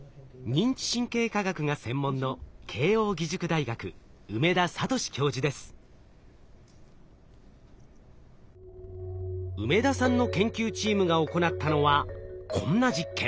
認知神経科学が専門の梅田さんの研究チームが行ったのはこんな実験。